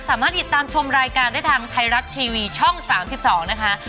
สามารถติดตามชมรายการได้ทางไทยรัฐทีวีช่อง๓๒นะคะ